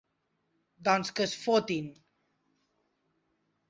Doncs que es fotin!